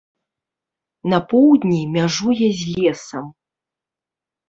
На поўдні мяжуе з лесам.